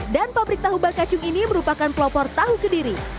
dan pabrik tahu bakacung ini merupakan pelopor tahu ke diri